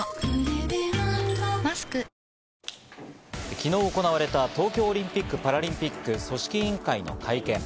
昨日行われた東京オリンピック・パラリンピック組織委員会の会見。